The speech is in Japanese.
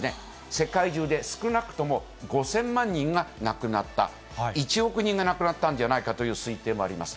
世界中で少なくとも５０００万人が亡くなった、１億人が亡くなったんではないかという推計もあります。